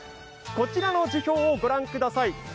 こちらの樹氷を御覧ください。